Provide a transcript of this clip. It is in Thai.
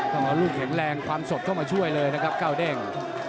ต้องเอาลูกแข็งแรงความสดเข้ามาช่วยเลยนะครับก้าวเด้ง